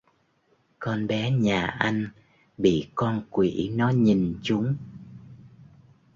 Con bé nhà anh bị con quỷ nó nhìn chúng